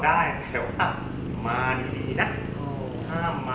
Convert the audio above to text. ๑สินค่ะ